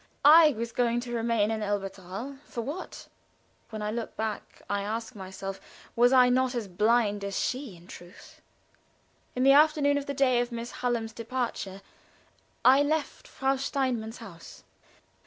I was going to remain in Elberthal for what? When I look back I ask myself was I not as blind as she, in truth? In the afternoon of the day of Miss Hallam's departure, I left Frau Steinmann's house.